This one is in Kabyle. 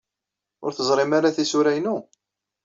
Ur teẓrim ara tisura-inu?